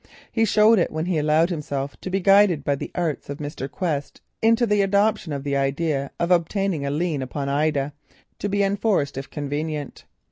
He showed it when he allowed himself to be guided by the arts of Mr. Quest into the adoption of the idea of obtaining a lien upon Ida, to be enforced if convenient.